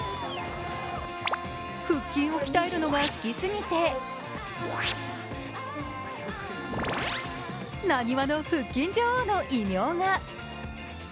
腹筋を鍛えるのが好きすぎて浪速の腹筋女王の異名が。